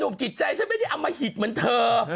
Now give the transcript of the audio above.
ยูมจิตใจฉันไม่ได้เอามาหิดเหมือนเธอ